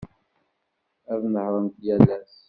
Ad nehhṛent yal ass.